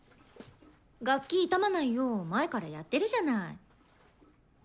楽器傷まないよう前からやってるじゃない。